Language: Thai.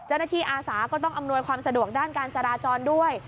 เจ้าหน้าที่อาสาก็ต้องอำนวยความสะดวกด้านการจราจรด้วย